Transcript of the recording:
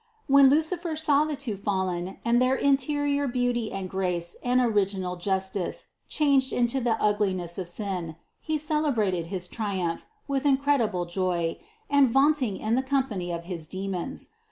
141. When Lucifer saw the two fallen and their in terior beauty and grace and original justice changed into the ugliness of sin, he celebrated his triumph with incredible joy and vaunting in the company of his demons.